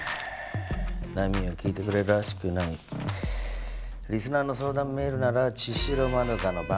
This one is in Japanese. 「『波よ聞いてくれ』らしくない」「リスナーの相談メールなら茅代まどかの番組で十分」